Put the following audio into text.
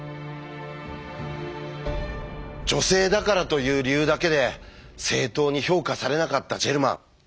「女性だから」という理由だけで正当に評価されなかったジェルマン。